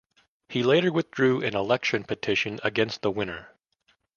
He later withdrew an election petition against the winner.